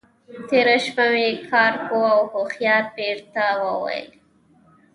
تېره شپه مې کار پوه او هوښیار پیر راته وویل.